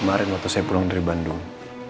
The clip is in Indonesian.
kemarin waktu saya pulang dari bandung